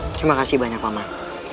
terimakasih banyak paman